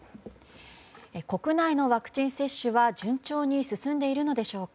国内のワクチン接種は順調に進んでいるのでしょうか。